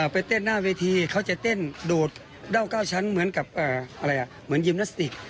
ไปเต้นหน้าเวทีเขาจะเต้นดูดเด้า๙ชั้นเหมือนกับเหมือนยิมนาสติก